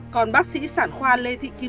còn bác sĩ sản khoa lê thị kim